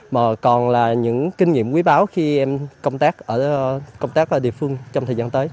mà còn là những kinh nghiệm quý báo khi em công tác ở địa phương trong thời gian tới